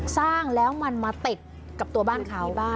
สร้างแล้วมันมาติดกับตัวบ้านเขา